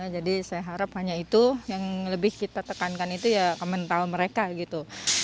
jadi saya harap hanya itu yang lebih kita tekankan itu ya ke mental mereka gitu